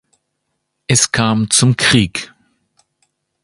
Es kam zum Krieg.